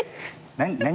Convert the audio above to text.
何？